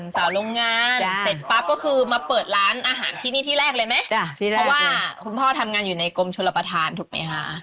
สาวโรงงานเสร็จปั๊บก็คือมาเปิดร้านอาหารที่นี่ที่แรกเลยไหมเพราะว่าคุณพ่อทำงานอยู่ในกรมชลประธานถูกไหมคะ